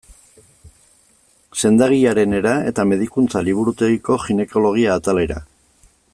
Sendagilearenera eta medikuntza-liburutegiko ginekologia atalera.